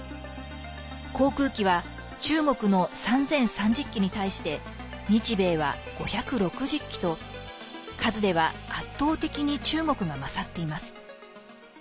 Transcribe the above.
航空機は中国の３０３０機に対して日米は５６０機と数では圧倒的に中国が勝っています。